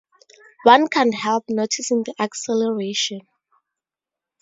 One can't help noticing the acceleration.